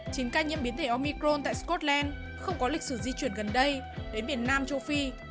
chín ca nhiễm biến thể omicron tại scotland không có lịch sử di chuyển gần đây đến miền nam châu phi